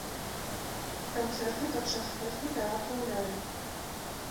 Канцэрты падчас фэсту тэатраў лялек.